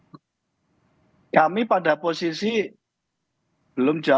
lihat pada bodi nya